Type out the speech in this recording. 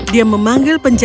dia memanggil penjaga